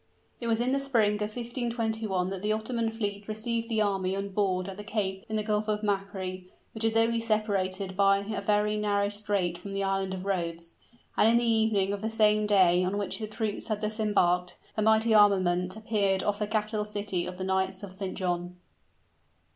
It was in the spring of 1521 that the Ottoman fleet received the army on board at the Cape in the Gulf of Macri, which is only separated by a very narrow strait from the Island of Rhodes; and in the evening of the same day on which the troops had thus embarked, the mighty armament appeared off the capital city of the Knights of St. John.